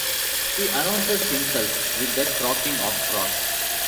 He announces himself with the croaking of frogs.